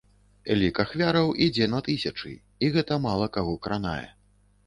Лік ахвяраў ідзе на тысячы, і гэта мала каго кранае.